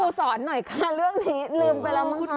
สอนหน่อยค่ะเรื่องนี้ลืมไปแล้วมั้ง